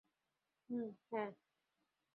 হুম, হ্যাঁ।